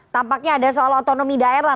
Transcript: tampaknya ada soal otonomi daerah